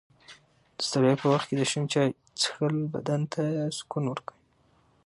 د ستړیا په وخت کې د شین چای څښل بدن ته سکون ورکوي.